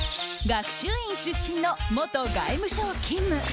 学習院出身の元外務省勤務。